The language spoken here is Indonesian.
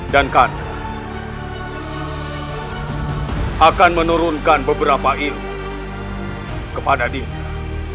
dan anda akan menurunkan beberapa ilmu kepada dinda